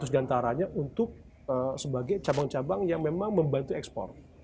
dua ratus diantaranya untuk sebagai cabang cabang yang memang membantu ekspor